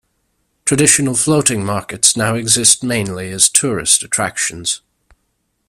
Traditional floating markets now exist mainly as tourist attractions.